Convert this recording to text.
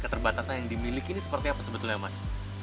keterbatasan yang dimiliki ini seperti apa sebetulnya mas